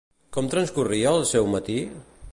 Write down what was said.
Com transcorria el seu matí?